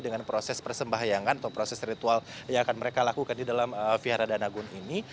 dengan proses persembahyangan atau proses ritual yang akan mereka lakukan di dalam vihara danagun ini